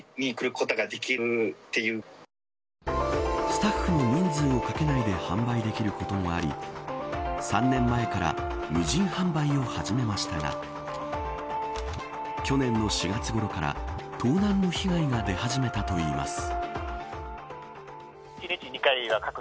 スタッフの人数をかけないで販売できることもあり３年前から無人販売を始めましたが去年の４月ごろから盗難の被害が出始めたといいます。